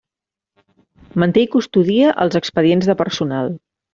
Manté i custodia els expedients de personal.